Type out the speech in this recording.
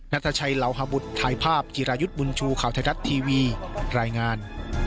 นัทชัยเหล่าฮบุตรถ่ายภาพจิรายุทธ์บุญชูข่าวไทยรัฐทีวีรายงาน